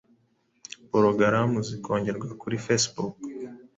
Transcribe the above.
porogaramu zakongerwa kuri Facebook.